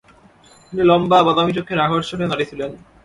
তিনি লম্বা, বাদামী চোখের আকর্ষণীয় নারী ছিলেন।